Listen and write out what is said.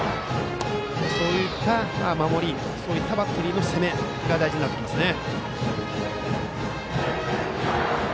そういった守りそういったバッテリーの攻めが大事になってきますね。